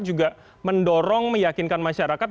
juga mendorong meyakinkan masyarakat